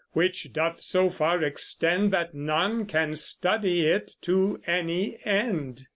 which doth so far extend That none can study it to any end.